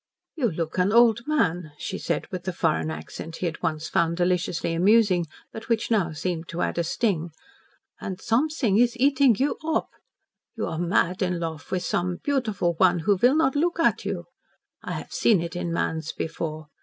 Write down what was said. "You look an old man," she said, with the foreign accent he had once found deliciously amusing, but which now seemed to add a sting. "And somesing is eating you op. You are mad in lofe with some beautiful one who will not look at you. I haf seen it in mans before.